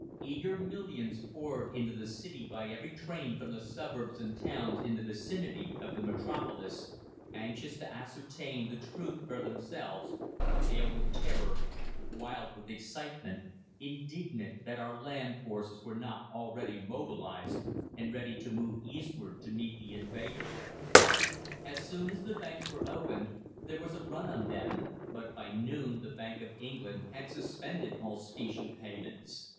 Eager millions poured into the City by every train from the suburbs and towns in the vicinity of the Metropolis, anxious to ascertain the truth for themselves, pale with terror, wild with excitement, indignant that our land forces were not already mobilised and ready to move eastward to meet the invader. As soon as the banks were opened there was a run on them, but by noon the Bank of England had suspended all specie payments.